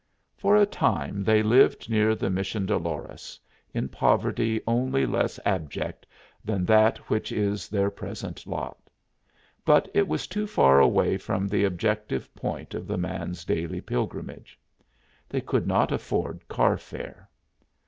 For a time they lived near the Mission Dolores, in poverty only less abject than that which is their present lot; but it was too far away from the objective point of the man's daily pilgrimage. They could not afford car fare.